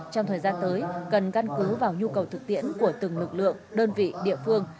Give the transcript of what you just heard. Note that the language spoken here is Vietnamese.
trong thời gian tới cần căn cứ vào nhu cầu thực tiễn của từng lực lượng đơn vị địa phương